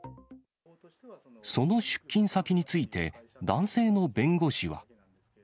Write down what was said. その出金先について、男性の弁護士は。